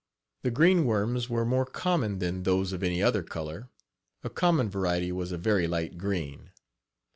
The green worms were more common than those of any other color a common variety was a very light green.